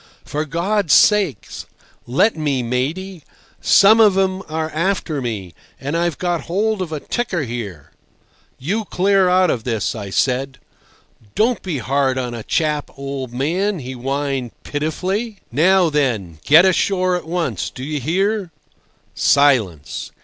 "For God's sake let me, matey! Some of 'em are after me—and I've got hold of a ticker here." "You clear out of this!" I said. "Don't be hard on a chap, old man!" he whined pitifully. "Now then, get ashore at once. Do you hear?" Silence.